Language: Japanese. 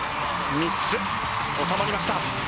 ３つ収まりました。